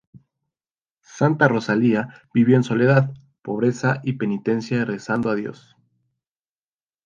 Santa Rosalía vivió en soledad, pobreza y penitencia rezando a Dios.